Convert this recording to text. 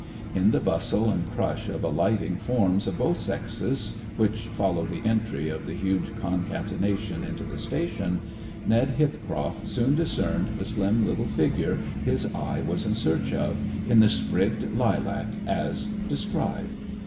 In the bustle and crush of alighting forms of both sexes which followed the entry of the huge concatenation into the station, Ned Hipcroft soon discerned the slim little figure his eye was in search of, in the sprigged lilac, as described.